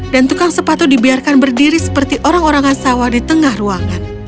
dan tukang sepatu dibiarkan berdiri seperti orang orang asawa di tengah ruangan